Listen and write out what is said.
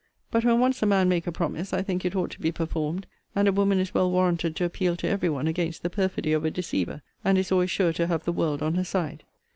But when once a man make a promise, I think it ought to be performed; and a woman is well warranted to appeal to every one against the perfidy of a deceiver; and is always sure to have the world on her side.